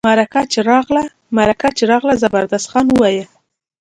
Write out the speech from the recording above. مرکه چي راغله زبردست خان ته وویل.